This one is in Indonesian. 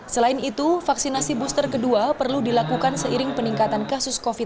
selain itu vaksinasi booster kedua perlu dilakukan seiring peningkatan kasus covid sembilan belas